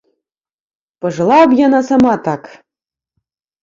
Пажыла б яна сама так!